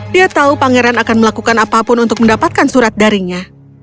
dia tahu pangeran akan melakukan apapun untuk mendapatkan surat darinya